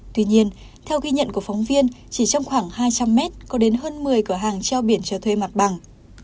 tuy nhiên theo ghi nhận của phóng viên chỉ trong khoảng hai trăm linh mét có đến hơn một mươi cửa hàng treo biển cho thuê mặt bằng